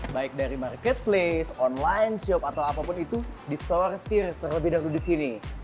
baik dari marketplace online shop atau apapun itu disortir terlebih dahulu di sini